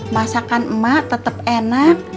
masakan emak tetep enak